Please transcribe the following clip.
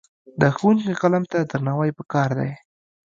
د ښوونکي قلم ته درناوی پکار دی.